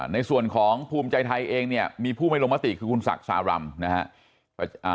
ในส่วนของภูมิใจไทยเองเนี่ยมีผู้ไม่ลงมติคือคุณศักดิ์สารำนะฮะ